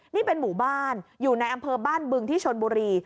นี่เป็นหมู่บ้านอยู่ในอำเภอบ้านบึงที่ชนบุรี